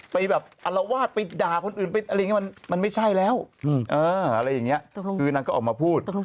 ไปอารวาดไปด่าคนอื่นมันไม่ใช่แล้วอะไรอย่างนี้คือนางก็ออกมาพูด